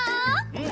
うん。